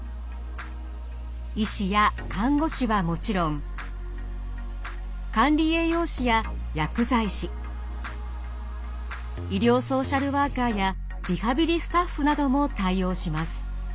医師や看護師はもちろん管理栄養士や薬剤師医療ソーシャルワーカーやリハビリスタッフなども対応します。